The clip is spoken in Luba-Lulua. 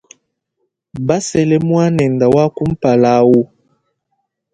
Basele muanende wa kumpala awu.